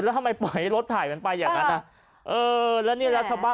แล้วทำไมปล่อยให้รถถ่ายมันไปอย่างนั้นนะเออแล้วเนี่ยนะชาวบ้าน